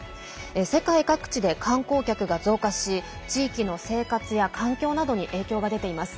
世界各地で観光客が増加し地域の生活や環境などに影響が出ています。